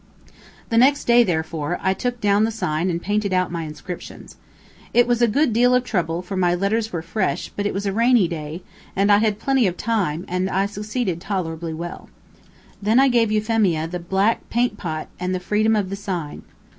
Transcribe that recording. The next day, therefore, I took down the sign and painted out my inscriptions. It was a good deal of trouble, for my letters were fresh, but it was a rainy day, and I had plenty of time, and succeeded tolerably well. Then I gave Euphemia the black paint pot and the freedom of the sign.